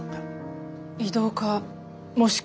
異動かもしくは。